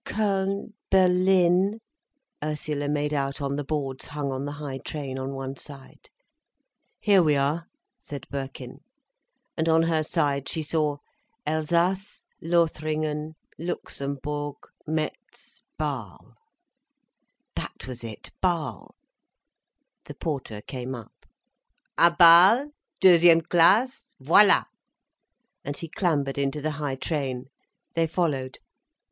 "Köln—Berlin—" Ursula made out on the boards hung on the high train on one side. "Here we are," said Birkin. And on her side she saw: "Elsass—Lothringen—Luxembourg, Metz—Basle." "That was it, Basle!" The porter came up. "À Bâle—deuxième classe?—Voilà!" And he clambered into the high train. They followed.